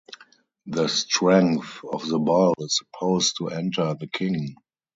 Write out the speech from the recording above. The strength of the bull is supposed to enter the king.